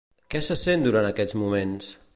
Què se sent durant aquests moments?